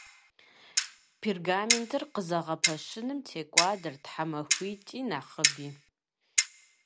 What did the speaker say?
Пергаментыр къызэгъэпэщыным текӏуадэрт тхьэмахуитӏи нэхъыби.